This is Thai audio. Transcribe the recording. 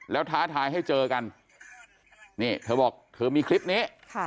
แล้วท้าทายให้เจอกันนี่เธอบอกเธอมีคลิปนี้